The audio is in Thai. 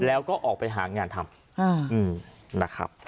แล้วก็ออกไปหางานทำนะครับ